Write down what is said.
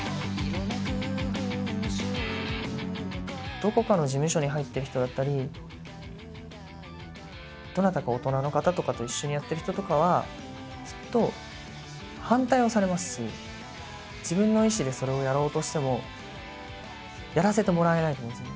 どこかの事務所に入ってる人だったりどなたか大人の方とかと一緒にやってる人とかはきっと反対をされますし自分の意思でそれをやろうとしてもやらせてもらえないと思うんですよね。